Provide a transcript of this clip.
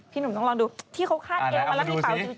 พี่หนุ่มต้องลองดูที่เขาคาดเอลแล้วมีกระเป๋าจิ๋วว่ะ